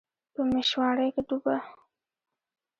په میشواڼۍ کې ډوبه